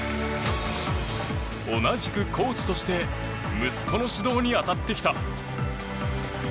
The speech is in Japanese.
同じくコーチとして息子の指導に当たってきた。